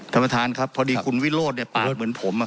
ท่านประธานครับพอดีคุณวิโรธเนี่ยเปิดเหมือนผมอ่ะ